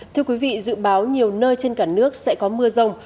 thưa quý vị dự báo nhiều nơi trên cả nước sẽ có mưa rông